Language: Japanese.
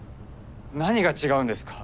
何が違うんですか？